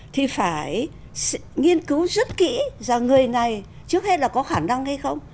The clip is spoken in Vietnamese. thì phải nghiên cứu rất kỹ rằng người này trước hết là có khả năng hay không